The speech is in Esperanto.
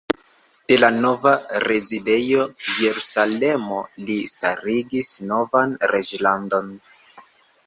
De la nova rezidejo Jerusalemo li starigis novan reĝlandon.